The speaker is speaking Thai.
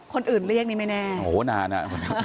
คนอื่นเรียกนี่ไม่แน่โอ้โหนานอ่ะ